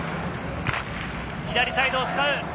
左サイドを使う。